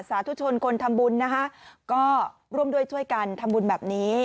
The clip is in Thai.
สาธุชนคนทำบุญนะคะก็ร่วมด้วยช่วยกันทำบุญแบบนี้